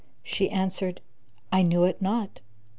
She answered, "I knew it not!